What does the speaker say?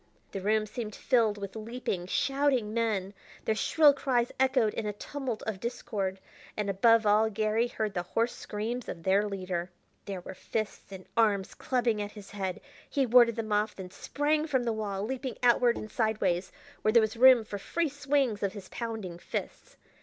The room seemed filled with leaping, shouting men. Their shrill cries echoed in a tumult of discord, and above all Garry heard the hoarse screams of their leader. There were fists and arms clubbing at his head. He warded them off, then sprang from the wall, leaping outward and sideways, where there was room for free swings of his pounding fists.